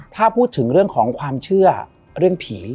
ถ้าพูดถึงเรื่องของความเชื่อเรื่องผี